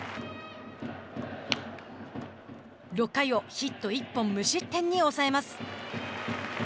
６回をヒット１本無失点に抑えます。